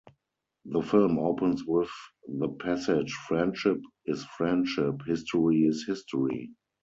The film opens with the passage Friendship is friendship; history is history.